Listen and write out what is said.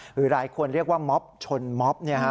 หรือหลายคนเรียกว่าม็อบชนม็อบ